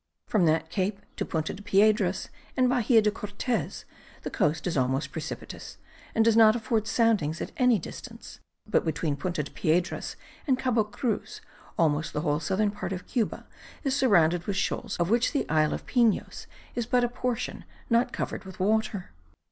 From that cape to Punta de Piedras and Bahia de Cortez, the coast is almost precipitous, and does not afford soundings at any distance; but between Punta de Piedras and Cabo Cruz almost the whole southern part of Cuba is surrounded with shoals of which the isle of Pinos is but a portion not covered with water.